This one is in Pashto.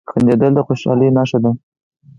• خندېدل د خوشحالۍ نښه ده.